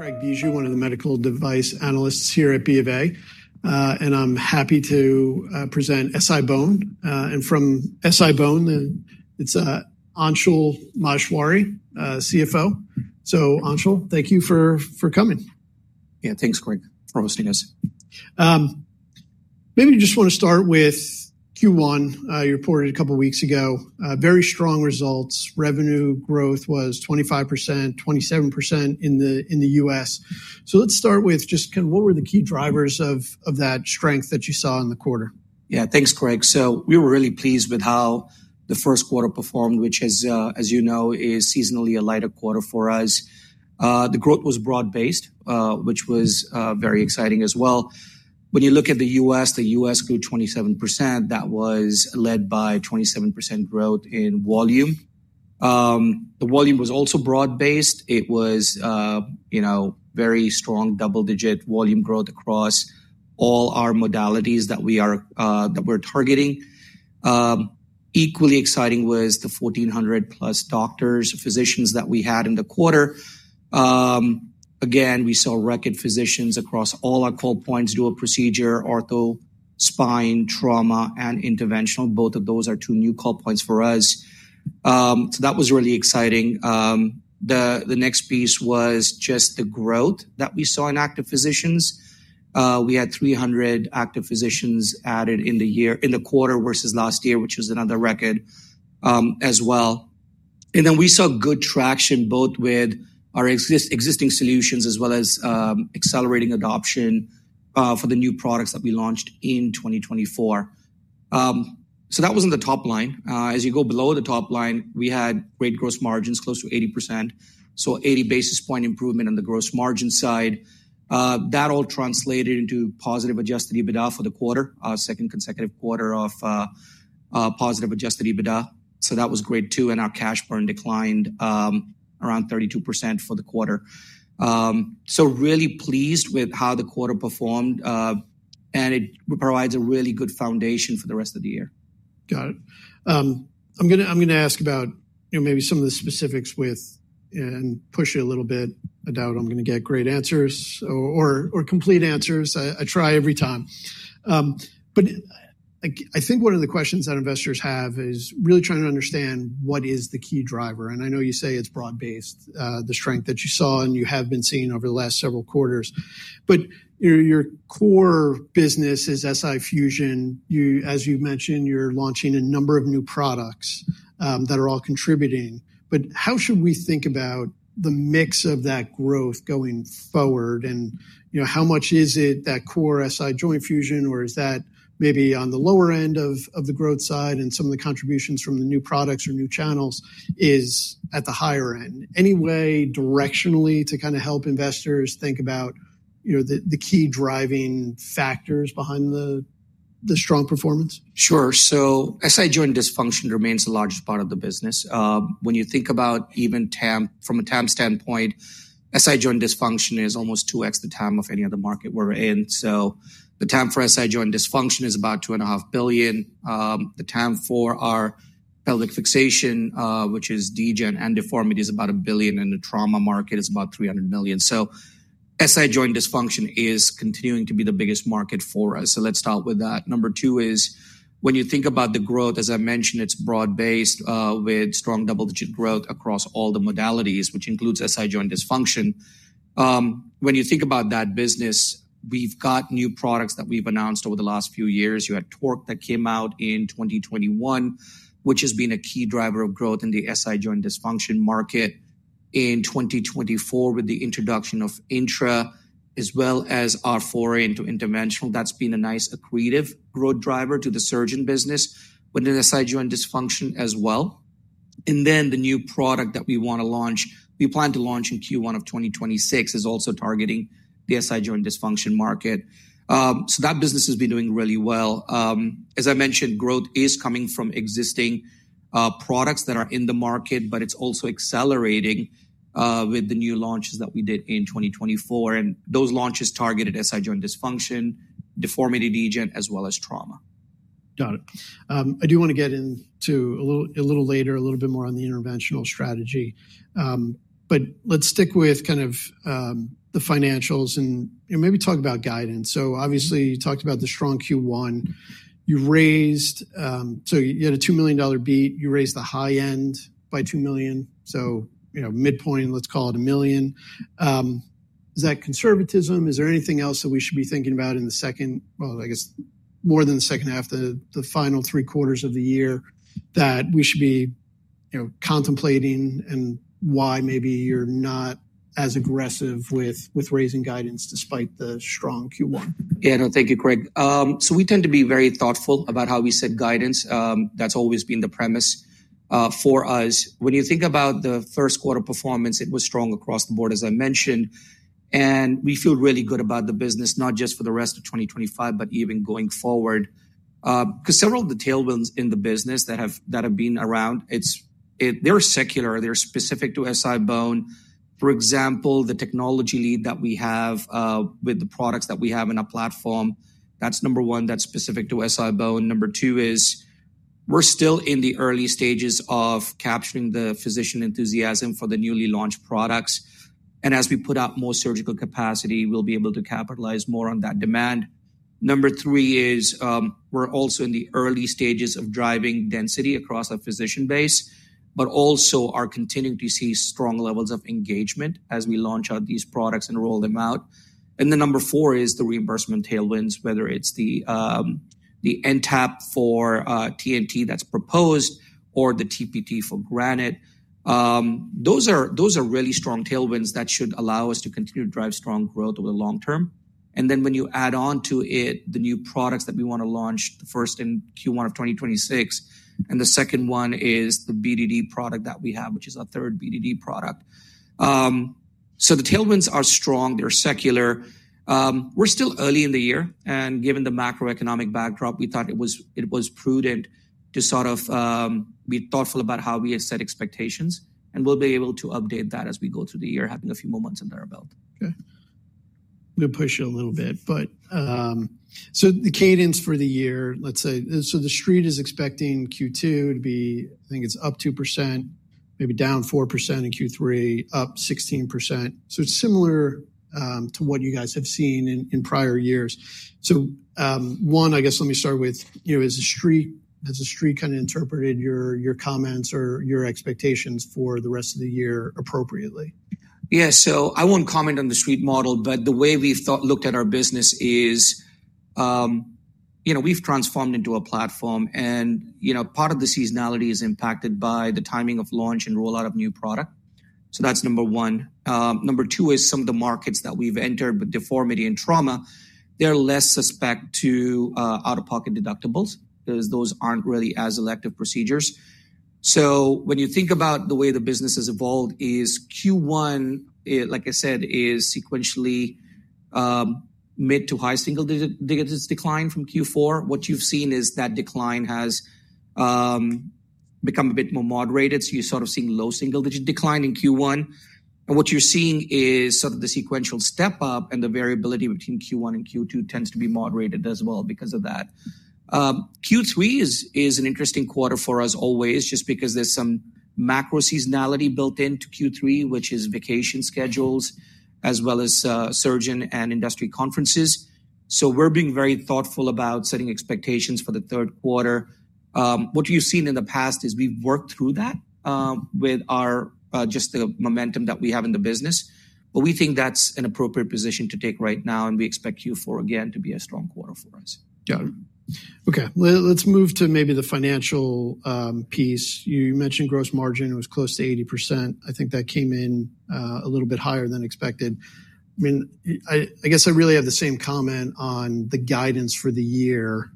Craig Bijou, one of the medical device analysts here at BofA, and I'm happy to present SI-BONE. From SI-BONE, it's Anshul Maheshwari, CFO. Anshul, thank you for coming. Yeah, thanks, Craig, for hosting us. Maybe you just want to start with Q1. You reported a couple of weeks ago, very strong results. Revenue growth was 25%, 27% in the U.S. So let's start with just kind of what were the key drivers of that strength that you saw in the quarter? Yeah, thanks, Craig. So we were really pleased with how the first quarter performed, which, as you know, is seasonally a lighter quarter for us. The growth was broad-based, which was very exciting as well. When you look at the U.S., the U.S. grew 27%. That was led by 27% growth in volume. The volume was also broad-based. It was very strong, double-digit volume growth across all our modalities that we are targeting. Equally exciting was the 1,400+ doctors, physicians that we had in the quarter. Again, we saw record physicians across all our call points: dual procedure, ortho spine, trauma, and interventional. Both of those are two new call points for us. That was really exciting. The next piece was just the growth that we saw in active physicians. We had 300 active physicians added in the quarter versus last year, which was another record as well. We saw good traction both with our existing solutions as well as accelerating adoption for the new products that we launched in 2024. That was on the top line. As you go below the top line, we had great gross margins, close to 80%. An 80 basis point improvement on the gross margin side. That all translated into positive adjusted EBITDA for the quarter, our second consecutive quarter of positive Adjusted EBITDA. That was great too. Our cash burn declined around 32% for the quarter. Really pleased with how the quarter performed. It provides a really good foundation for the rest of the year. Got it. I'm going to ask about maybe some of the specifics with and push it a little bit. I doubt I'm going to get great answers or complete answers. I try every time. I think one of the questions that investors have is really trying to understand what is the key driver. I know you say it's broad-based, the strength that you saw and you have been seeing over the last several quarters. Your core business is SI-Fusion. As you've mentioned, you're launching a number of new products that are all contributing. How should we think about the mix of that growth going forward? How much is it that core SI joint fusion, or is that maybe on the lower end of the growth side? Some of the contributions from the new products or new channels is at the higher end. Any way directionally to kind of help investors think about the key driving factors behind the strong performance? Sure. SI joint dysfunction remains a large part of the business. When you think about even from a TAM standpoint, SI joint dysfunction is almost 2x the TAM of any other market we're in. The TAM for SI joint dysfunction is about $2.5 billion. The TAM for our pelvic fixation, which is Degen and deformity, is about $1 billion. The trauma market is about $300 million. SI joint dysfunction is continuing to be the biggest market for us. Let's start with that. Number two is when you think about the growth, as I mentioned, it's broad-based with strong double-digit growth across all the modalities, which includes SI joint dysfunction. When you think about that business, we've got new products that we've announced over the last few years. You had TORQ that came out in 2021, which has been a key driver of growth in the SI joint dysfunction market in 2024 with the introduction of Intra, as well as our foray into interventional. That's been a nice accretive growth driver to the surgeon business within SI joint dysfunction as well. The new product that we want to launch, we plan to launch in Q1 of 2026, is also targeting the SI joint dysfunction market. That business has been doing really well. As I mentioned, growth is coming from existing products that are in the market, but it's also accelerating with the new launches that we did in 2024. Those launches targeted SI joint dysfunction, deformity, Degen, as well as trauma. Got it. I do want to get into a little later, a little bit more on the interventional strategy. But let's stick with kind of the financials and maybe talk about guidance. So obviously, you talked about the strong Q1. So you had a $2 million beat. You raised the high end by $2 million. So midpoint, let's call it a million. Is that conservatism? Is there anything else that we should be thinking about in the second, well, I guess more than the second half, the final three quarters of the year that we should be contemplating and why maybe you're not as aggressive with raising guidance despite the strong Q1? Yeah, no, thank you, Craig. We tend to be very thoughtful about how we set guidance. That's always been the premise for us. When you think about the first quarter performance, it was strong across the board, as I mentioned. We feel really good about the business, not just for the rest of 2025, but even going forward. Because several of the tailwinds in the business that have been around, they're secular. They're specific to SI-BONE. For example, the technology lead that we have with the products that we have in our platform, that's number one, that's specific to SI-BONE. Number two is we're still in the early stages of capturing the physician enthusiasm for the newly launched products. As we put out more surgical capacity, we'll be able to capitalize more on that demand. Number three is we're also in the early stages of driving density across our physician base, but also are continuing to see strong levels of engagement as we launch out these products and roll them out. Number four is the reimbursement tailwinds, whether it's the NTAP for TNT that's proposed or the TPT for Granite. Those are really strong tailwinds that should allow us to continue to drive strong growth over the long term. When you add on to it the new products that we want to launch, the first in Q1 of 2026, and the second one is the BDD product that we have, which is our third BDD product. The tailwinds are strong. They're secular. We're still early in the year, and given the macroeconomic backdrop, we thought it was prudent to sort of be thoughtful about how we set expectations. We'll be able to update that as we go through the year, having a few moments in there about. Okay. I'm going to push it a little bit. But the cadence for the year, let's say, the street is expecting Q2 to be, I think it's up 2%, maybe down 4% in Q3, up 16%. It's similar to what you guys have seen in prior years. One, I guess let me start with, has the street kind of interpreted your comments or your expectations for the rest of the year appropriately? Yeah, so I won't comment on the street model, but the way we've looked at our business is we've transformed into a platform. Part of the seasonality is impacted by the timing of launch and rollout of new product. That's number one. Number two is some of the markets that we've entered with deformity and trauma, they're less suspect to out-of-pocket deductibles because those aren't really as elective procedures. When you think about the way the business has evolved, Q1, like I said, is sequentially mid to high single digits decline from Q4. What you've seen is that decline has become a bit more moderated. You're sort of seeing low single digit decline in Q1. What you're seeing is sort of the sequential step up and the variability between Q1 and Q2 tends to be moderated as well because of that. Q3 is an interesting quarter for us always just because there's some macro seasonality built into Q3, which is vacation schedules as well as surgeon and industry conferences. We are being very thoughtful about setting expectations for the third quarter. What we've seen in the past is we've worked through that with just the momentum that we have in the business. We think that's an appropriate position to take right now. We expect Q4 again to be a strong quarter for us. Got it. Okay. Let's move to maybe the financial piece. You mentioned gross margin was close to 80%. I think that came in a little bit higher than expected. I mean, I guess I really have the same comment on the guidance for the year,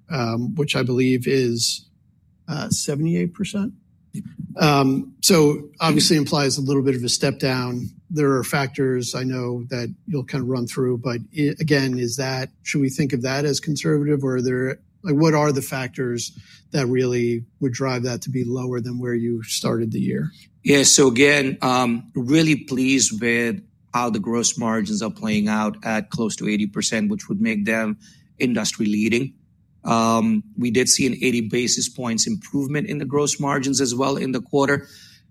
which I believe is 78%. So obviously implies a little bit of a step down. There are factors I know that you'll kind of run through. But again, should we think of that as conservative? Or what are the factors that really would drive that to be lower than where you started the year? Yeah. So again, really pleased with how the gross margins are playing out at close to 80%, which would make them industry leading. We did see an 80 basis points improvement in the gross margins as well in the quarter.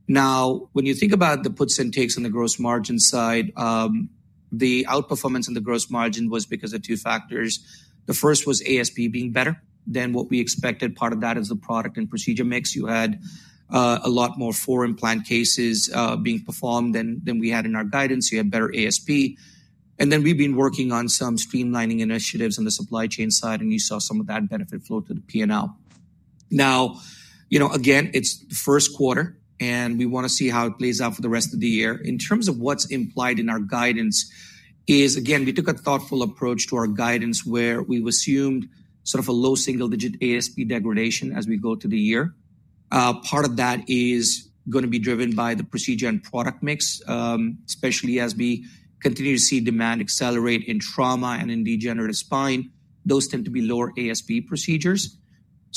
Now, when you think about the puts and takes on the gross margin side, the outperformance on the gross margin was because of two factors. The first was ASP being better than what we expected. Part of that is the product and procedure mix. You had a lot more foreign plant cases being performed than we had in our guidance. You had better ASP. And then we've been working on some streamlining initiatives on the supply chain side. You saw some of that benefit flow to the P&L. Now, again, it's the first quarter. We want to see how it plays out for the rest of the year. In terms of what's implied in our guidance is, again, we took a thoughtful approach to our guidance where we've assumed sort of a low single digit ASP degradation as we go through the year. Part of that is going to be driven by the procedure and product mix, especially as we continue to see demand accelerate in trauma and in degenerative spine. Those tend to be lower ASP procedures.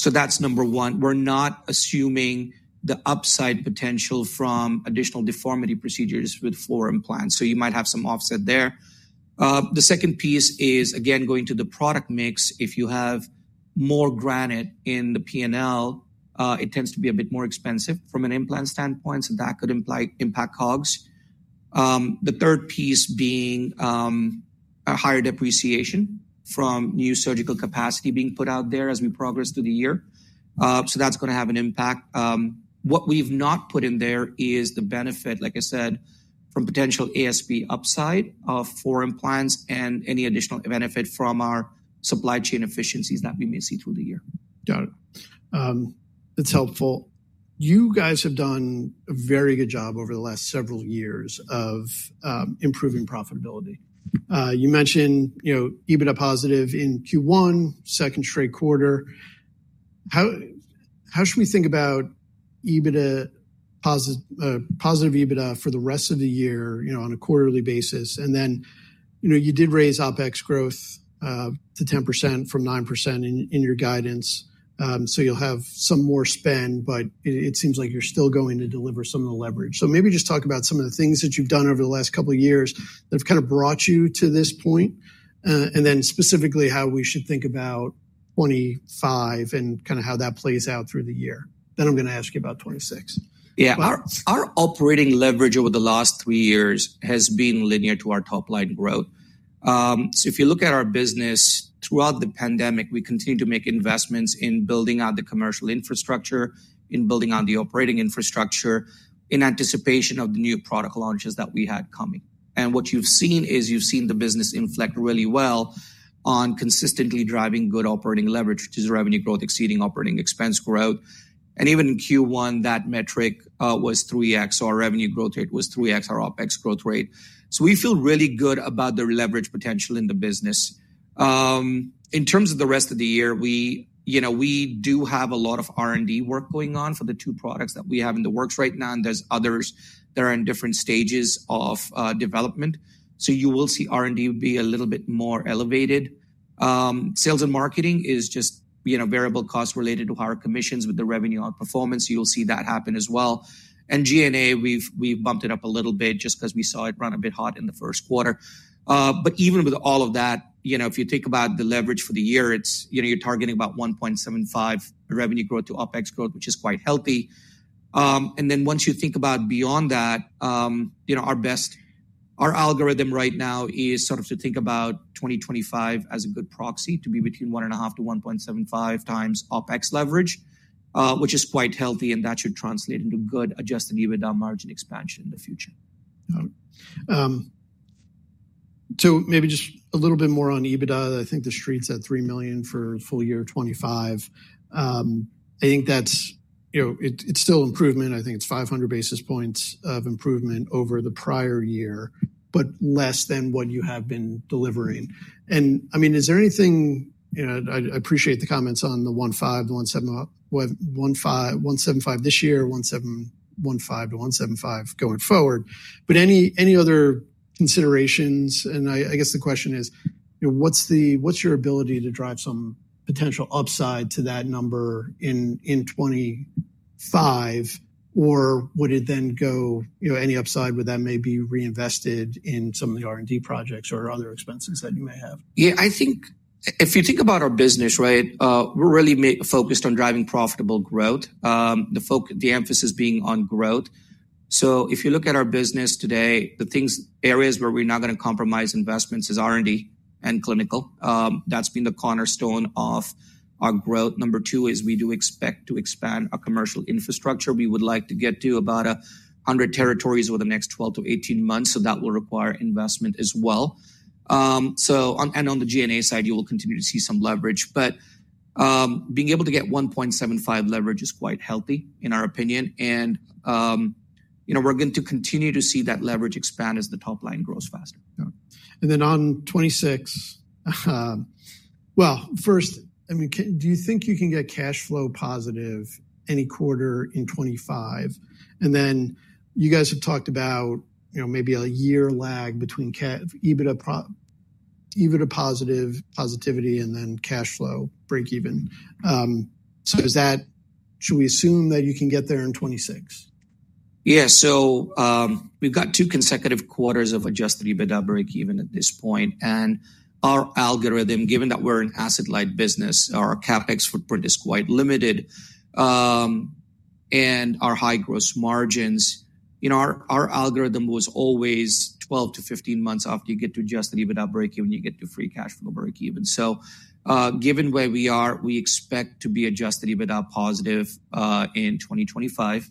That's number one. We're not assuming the upside potential from additional deformity procedures with foreign plants. You might have some offset there. The second piece is, again, going to the product mix. If you have more Granite in the P&L, it tends to be a bit more expensive from an implant standpoint. That could impact COGS. The third piece being a higher depreciation from new surgical capacity being put out there as we progress through the year. That's going to have an impact. What we've not put in there is the benefit, like I said, from potential ASP upside of foreign plants and any additional benefit from our supply chain efficiencies that we may see through the year. Got it. That's helpful. You guys have done a very good job over the last several years of improving profitability. You mentioned EBITDA positive in Q1, second straight quarter. How should we think about positive EBITDA for the rest of the year on a quarterly basis? You did raise OpEx growth to 10% from 9% in your guidance. You'll have some more spend, but it seems like you're still going to deliver some of the leverage. Maybe just talk about some of the things that you've done over the last couple of years that have kind of brought you to this point. Specifically, how we should think about 2025 and kind of how that plays out through the year. I'm going to ask you about 2026. Yeah. Our operating leverage over the last three years has been linear to our top line growth. If you look at our business throughout the pandemic, we continue to make investments in building out the commercial infrastructure, in building on the operating infrastructure in anticipation of the new product launches that we had coming. What you've seen is you've seen the business inflect really well on consistently driving good operating leverage, which is revenue growth exceeding operating expense growth. Even in Q1, that metric was 3x. Our revenue growth rate was 3x our OpEx growth rate. We feel really good about the leverage potential in the business. In terms of the rest of the year, we do have a lot of R&D work going on for the two products that we have in the works right now. There are others that are in different stages of development. You will see R&D be a little bit more elevated. Sales and marketing is just variable costs related to higher commissions with the revenue outperformance. You will see that happen as well. G&A, we have bumped it up a little bit just because we saw it run a bit hot in the first quarter. Even with all of that, if you think about the leverage for the year, you are targeting about 1.75 revenue growth to OpEx growth, which is quite healthy. Once you think about beyond that, our algorithm right now is sort of to think about 2025 as a good proxy to be between 1.5-1.75x OpEx leverage, which is quite healthy. That should translate into good Adjusted EBITDA margin expansion in the future. Got it. Maybe just a little bit more on EBITDA. I think the street's at $3 million for full year 2025. I think it's still improvement. I think it's 500 basis points of improvement over the prior year, but less than what you have been delivering. I mean, is there anything? I appreciate the comments on the $1.5, the $1.75 this year, $1.75-$1.75 going forward. Any other considerations? I guess the question is, what's your ability to drive some potential upside to that number in 2025? Would any upside then be reinvested in some of the R&D projects or other expenses that you may have? Yeah, I think if you think about our business, right, we're really focused on driving profitable growth, the emphasis being on growth. If you look at our business today, the areas where we're not going to compromise investments is R&D and clinical. That's been the cornerstone of our growth. Number two is we do expect to expand our commercial infrastructure. We would like to get to about 100 territories over the next 12 to 18 months. That will require investment as well. On the G&A side, you will continue to see some leverage. Being able to get 1.75 leverage is quite healthy, in our opinion. We're going to continue to see that leverage expand as the top line grows faster. Yeah. On 2026, first, I mean, do you think you can get cash flow positive any quarter in '25? You guys have talked about maybe a year lag between EBITDA positivity and then cash flow break-even. Should we assume that you can get there in 2026? Yeah. So we've got two consecutive quarters of Adjusted EBITDA break-even at this point. Our algorithm, given that we're an asset-light business, our CapEx footprint is quite limited. With our high gross margins, our algorithm was always 12-15 months after you get to Adjusted EBITDA break-even, you get to free cash flow break-even. Given where we are, we expect to be Adjusted EBITDA positive in 2025.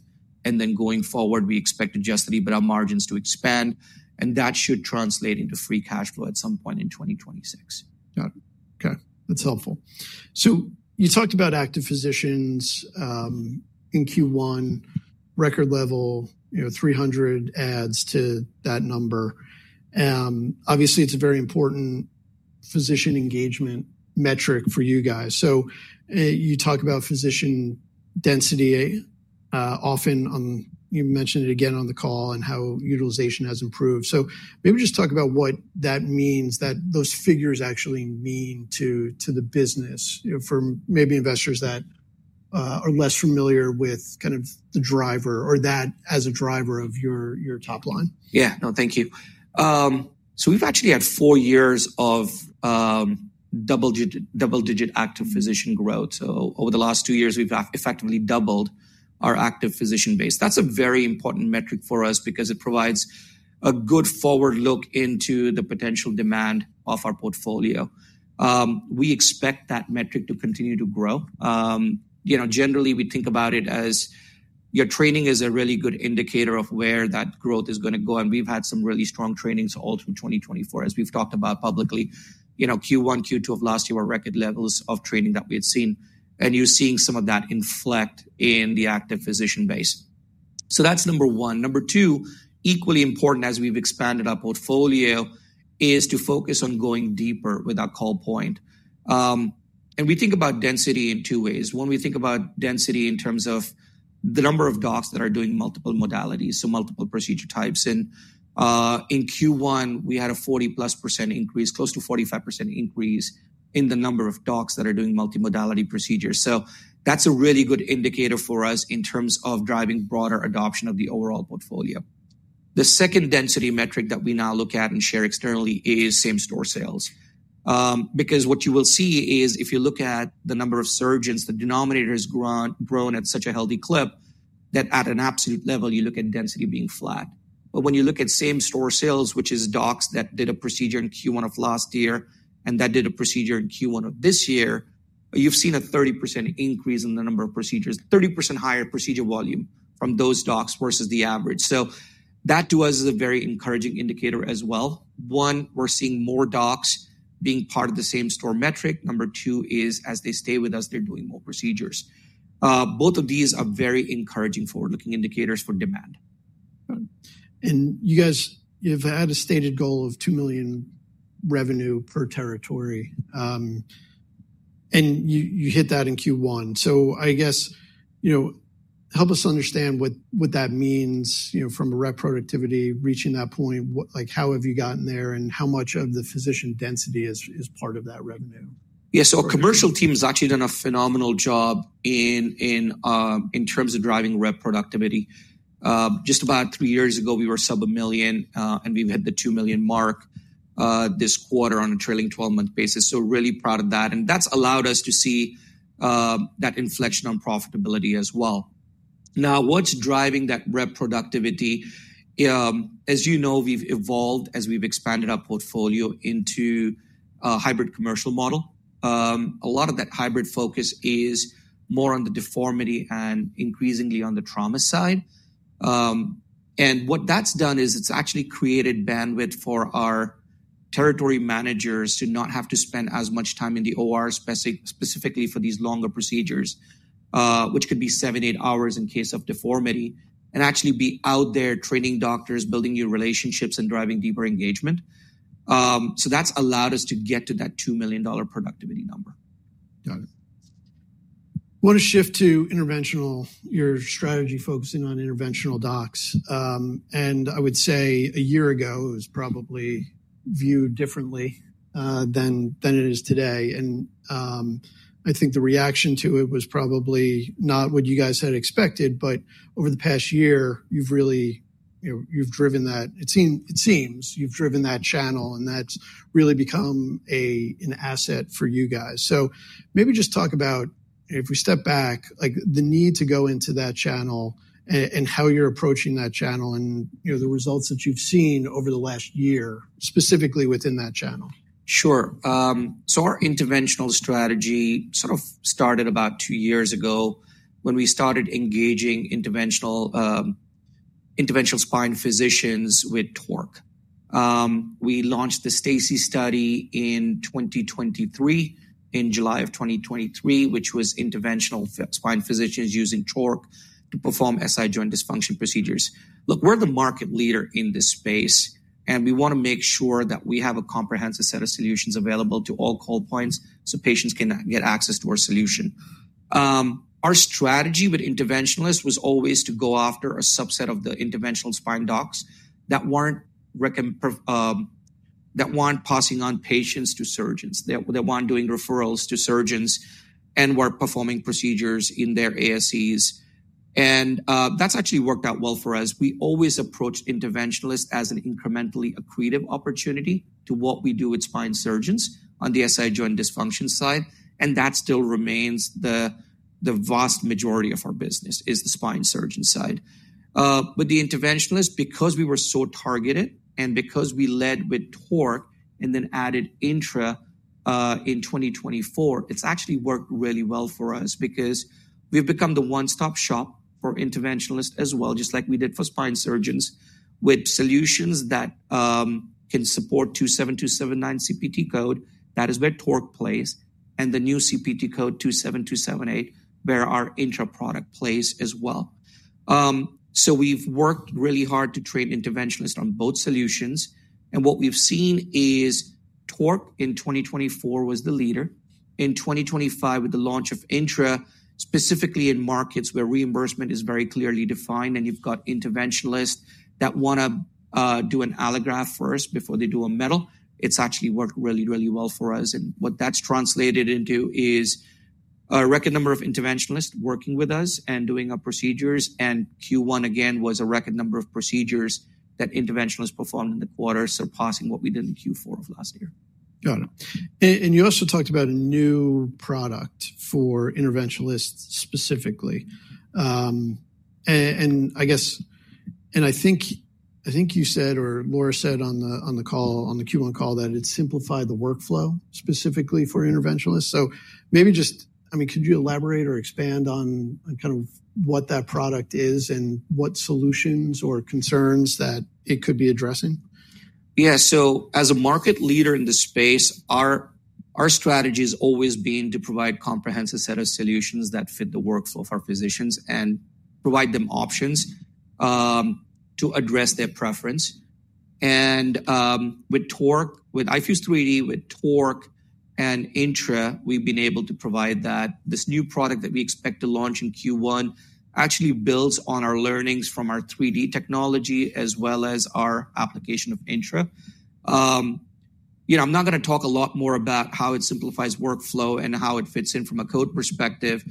Going forward, we expect Adjusted EBITDA margins to expand. That should translate into free cash flow at some point in 2026. Got it. Okay. That's helpful. You talked about active physicians in Q1, record level, 300 adds to that number. Obviously, it's a very important physician engagement metric for you guys. You talk about physician density often. You mentioned it again on the call and how utilization has improved. Maybe just talk about what that means, that those figures actually mean to the business for maybe investors that are less familiar with kind of the driver or that as a driver of your top line. Yeah. No, thank you. So we've actually had four years of double-digit active physician growth. Over the last two years, we've effectively doubled our active physician base. That's a very important metric for us because it provides a good forward look into the potential demand of our portfolio. We expect that metric to continue to grow. Generally, we think about it as your training is a really good indicator of where that growth is going to go. We've had some really strong trainings all through 2024, as we've talked about publicly. Q1, Q2 of last year were record levels of training that we had seen. You're seeing some of that inflect in the active physician base. That's number one. Number two, equally important as we've expanded our portfolio is to focus on going deeper with our call point. We think about density in two ways. When we think about density in terms of the number of docs that are doing multiple modalities, so multiple procedure types. In Q1, we had a 40%+ increase, close to 45% increase in the number of docs that are doing multi-modality procedures. That is a really good indicator for us in terms of driving broader adoption of the overall portfolio. The second density metric that we now look at and share externally is same-store sales. Because what you will see is if you look at the number of surgeons, the denominator has grown at such a healthy clip that at an absolute level, you look at density being flat. When you look at same-store sales, which is docs that did a procedure in Q1 of last year and that did a procedure in Q1 of this year, you've seen a 30% increase in the number of procedures, 30% higher procedure volume from those docs versus the average. That, to us, is a very encouraging indicator as well. One, we're seeing more docs being part of the same-store metric. Number two is, as they stay with us, they're doing more procedures. Both of these are very encouraging, forward-looking indicators for demand. You guys have had a stated goal of $2 million revenue per territory. You hit that in Q1. I guess help us understand what that means from reproductivity, reaching that point. How have you gotten there? How much of the physician density is part of that revenue? Yeah. Our commercial team has actually done a phenomenal job in terms of driving reproductivity. Just about three years ago, we were sub $1 million. And we've hit the $2 million mark this quarter on a trailing 12-month basis. Really proud of that. That's allowed us to see that inflection on profitability as well. Now, what's driving that reproductivity? As you know, we've evolved as we've expanded our portfolio into a hybrid commercial model. A lot of that hybrid focus is more on the deformity and increasingly on the trauma side. What that's done is it's actually created bandwidth for our territory managers to not have to spend as much time in the OR, specifically for these longer procedures, which could be seven, eight hours in case of deformity, and actually be out there training doctors, building new relationships, and driving deeper engagement. That's allowed us to get to that $2 million productivity number. Got it. I want to shift to your strategy focusing on interventional docs. I would say a year ago, it was probably viewed differently than it is today. I think the reaction to it was probably not what you guys had expected. Over the past year, you've driven that. It seems you've driven that channel. That's really become an asset for you guys. Maybe just talk about, if we step back, the need to go into that channel and how you're approaching that channel and the results that you've seen over the last year, specifically within that channel. Sure. Our interventional strategy sort of started about two years ago when we started engaging interventional spine physicians with TORQ. We launched the STACI study in 2023, in July of 2023, which was interventional spine physicians using TORQ to perform SI joint dysfunction procedures. Look, we're the market leader in this space. We want to make sure that we have a comprehensive set of solutions available to all call points so patients can get access to our solution. Our strategy with interventionalists was always to go after a subset of the interventional spine docs that were not passing on patients to surgeons, that were not doing referrals to surgeons and were performing procedures in their ASCs. That has actually worked out well for us. We always approached interventionalists as an incrementally accretive opportunity to what we do with spine surgeons on the SI joint dysfunction side. That still remains the vast majority of our business is the spine surgeon side. The interventionalists, because we were so targeted and because we led with TORQ and then added Intra in 2024, it's actually worked really well for us because we've become the one-stop shop for interventionalists as well, just like we did for spine surgeons with solutions that can support 27279 CPT code. That is where TORQ plays. The new CPT code, 27278, where our Intra product plays as well. We've worked really hard to train interventionalists on both solutions. What we've seen is TORQ in 2024 was the leader. In 2025, with the launch of Intra, specifically in markets where reimbursement is very clearly defined and you've got interventionalists that want to do an allograft first before they do a metal, it's actually worked really, really well for us. What that's translated into is a record number of interventionalists working with us and doing our procedures. Q1, again, was a record number of procedures that interventionalists performed in the quarter, surpassing what we did in Q4 of last year. Got it. You also talked about a new product for interventionalists specifically. I think you said, or Laura said on the Q1 call, that it simplified the workflow specifically for interventionalists. Maybe just, I mean, could you elaborate or expand on kind of what that product is and what solutions or concerns that it could be addressing? Yeah. As a market leader in the space, our strategy has always been to provide a comprehensive set of solutions that fit the workflow of our physicians and provide them options to address their preference. With TORQ, with iFuse 3D, with TORQ, and Intra, we've been able to provide that. This new product that we expect to launch in Q1 actually builds on our learnings from our 3D technology as well as our application of Intra. I'm not going to talk a lot more about how it simplifies workflow and how it fits in from a code perspective.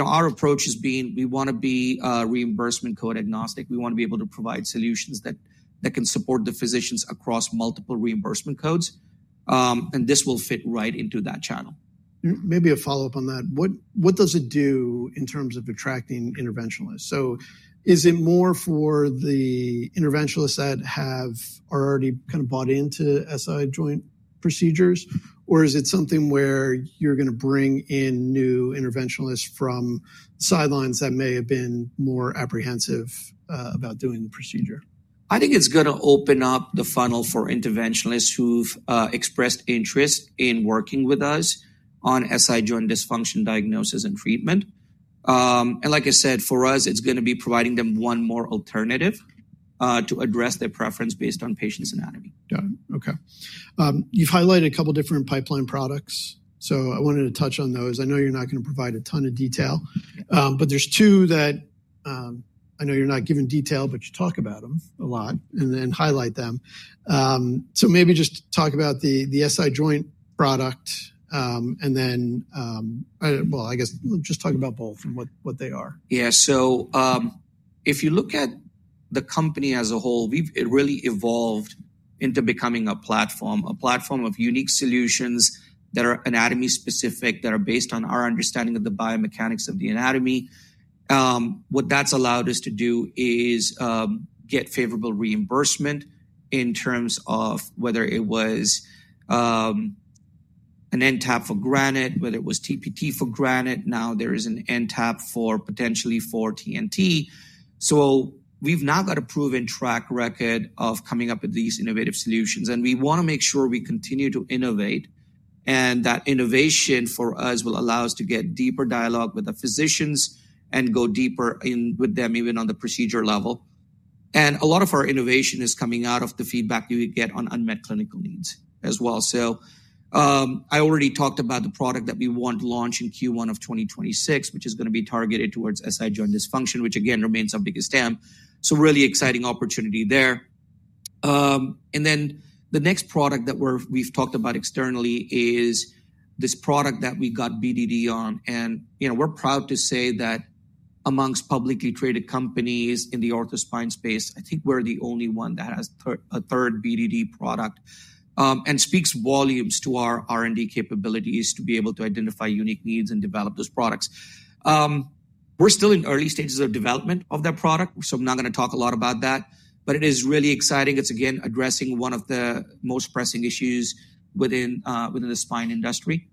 Our approach has been we want to be reimbursement code agnostic. We want to be able to provide solutions that can support the physicians across multiple reimbursement codes. This will fit right into that channel. Maybe a follow-up on that. What does it do in terms of attracting interventionalists? Is it more for the interventionalists that are already kind of bought into SI joint procedures? Or is it something where you're going to bring in new interventionalists from sidelines that may have been more apprehensive about doing the procedure? I think it's going to open up the funnel for interventionalists who've expressed interest in working with us on SI joint dysfunction diagnosis and treatment. Like I said, for us, it's going to be providing them one more alternative to address their preference based on patient's anatomy. Got it. Okay. You've highlighted a couple of different pipeline products. I wanted to touch on those. I know you're not going to provide a ton of detail. There are two that I know you're not giving detail, but you talk about them a lot and then highlight them. Maybe just talk about the SI joint product. I guess just talk about both and what they are. Yeah. If you look at the company as a whole, we've really evolved into becoming a platform, a platform of unique solutions that are anatomy-specific, that are based on our understanding of the biomechanics of the anatomy. What that's allowed us to do is get favorable reimbursement in terms of whether it was an NTAP for Granite, whether it was TPT for Granite. Now there is an NTAP potentially for TNT. We've now got a proven track record of coming up with these innovative solutions. We want to make sure we continue to innovate. That innovation for us will allow us to get deeper dialogue with the physicians and go deeper in with them even on the procedure level. A lot of our innovation is coming out of the feedback that we get on unmet clinical needs as well. I already talked about the product that we want to launch in Q1 of 2026, which is going to be targeted towards SI joint dysfunction, which, again, remains our biggest STEM. Really exciting opportunity there. The next product that we've talked about externally is this product that we got BDD on. We're proud to say that amongst publicly traded companies in the orthospine space, I think we're the only one that has a third BDD product and speaks volumes to our R&D capabilities to be able to identify unique needs and develop those products. We're still in early stages of development of that product. I'm not going to talk a lot about that. It is really exciting. It's, again, addressing one of the most pressing issues within the spine industry.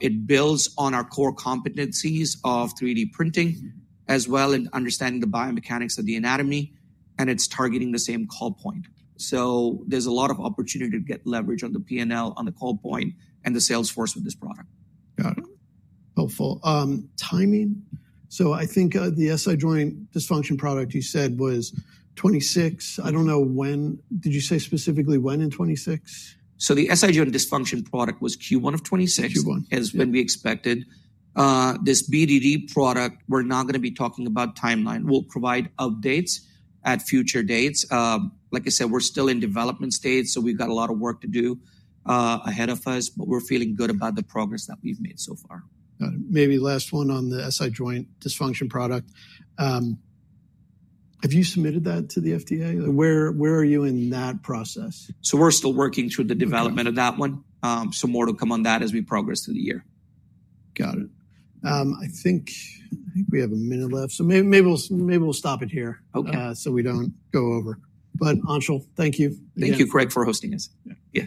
It builds on our core competencies of 3D printing as well and understanding the biomechanics of the anatomy. It is targeting the same call point. There is a lot of opportunity to get leverage on the P&L, on the call point, and the sales force with this product. Got it. Helpful. Timing. I think the SI joint dysfunction product you said was 2026. I don't know, when did you say specifically when in 2026? The SI joint dysfunction product was Q1 of 2026. Q1. Is when we expected. This BDD product, we're not going to be talking about timeline. We'll provide updates at future dates. Like I said, we're still in development state. So we've got a lot of work to do ahead of us. But we're feeling good about the progress that we've made so far. Got it. Maybe last one on the SI joint dysfunction product. Have you submitted that to the FDA? Where are you in that process? We're still working through the development of that one. More will come on that as we progress through the year. Got it. I think we have a minute left. So maybe we'll stop it here so we don't go over. But Anshul, thank you. Thank you, Craig, for hosting us. Yeah.